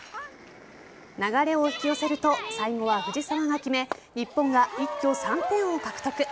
流れを引き寄せると最後は藤澤が決め日本が一挙３点を獲得。